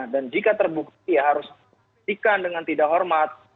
dan jika terbukti harus diperhatikan dengan tidak hormat